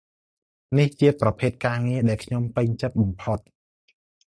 នេះជាប្រភេទការងារដែលខ្ញុំពេញចិត្តបំផុត។